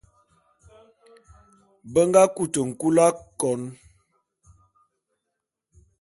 Be nga kute nkul akon.